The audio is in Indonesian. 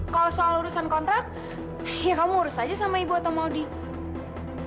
kalau soal urusan kontrak ya kamu urusan aja sama ibu atau maudie